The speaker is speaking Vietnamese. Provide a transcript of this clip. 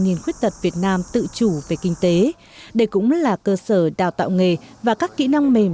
nghìn khuyết tật việt nam tự chủ về kinh tế đây cũng là cơ sở đào tạo nghề và các kỹ năng mềm